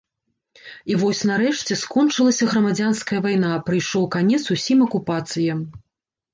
І вось, нарэшце, скончылася грамадзянская вайна, прыйшоў канец усім акупацыям.